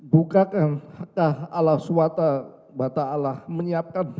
bukakan hak allah swt menyiapkan